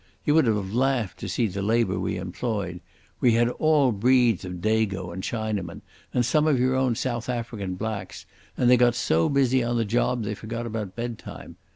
You would have laughed to see the labour we employed. We had all breeds of Dago and Chinaman, and some of your own South African blacks, and they got so busy on the job they forgot about bedtime.